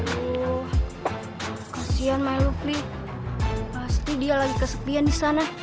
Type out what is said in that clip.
tuh kasihan my lovely pasti dia lagi kesepian di sana